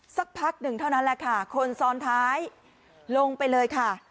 สักพักหนึ่งเท่านั้นแหละค่ะคนซ้อนท้ายลงไปเลยค่ะ